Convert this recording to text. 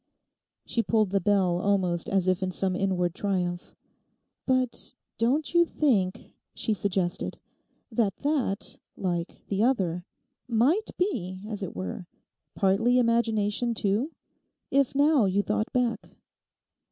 She pulled the bell almost as if in some inward triumph. 'But don't you think,' she suggested, 'that that, like the other, might be, as it were, partly imagination too? If now you thought _back.